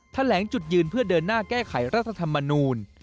แถลงจุดยืนเพื่อเดินหน้าแก้ไขรัฐธรรมนูล